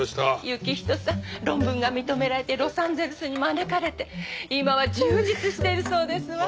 行人さん論文が認められてロサンゼルスに招かれて今は充実しているそうですわ。